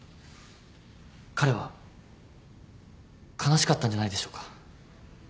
彼は悲しかったんじゃないでしょうか。